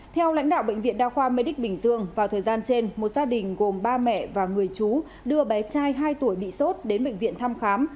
theo lãnh đạo bệnh viện đa khoa mê đích bình dương vào thời gian trên một gia đình gồm ba mẹ và người chú đưa bé trai hai tuổi bị sốt đến bệnh viện thăm khám